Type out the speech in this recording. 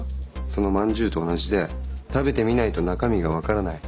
そのまんじゅうと同じで食べてみないと中身が分からない。